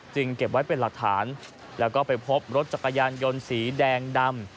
เก็บไว้เป็นหลักฐานแล้วก็ไปพบรถจักรยานยนต์สีแดงดำ